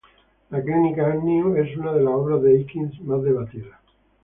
La Clínica Agnew es una de las obras de Eakins más debatidas.